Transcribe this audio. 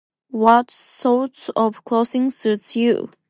What sorts of clothing suits you?